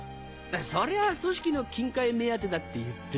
そりゃ組織の金塊目当てだって言ってるじゃない。